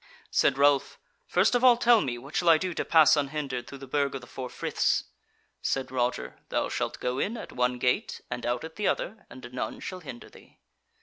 Said Ralph: "First of all, tell me what shall I do to pass unhindered through the Burg of the Four Friths?" Said Roger: "Thou shalt go in at one gate and out at the other, and none shall hinder thee."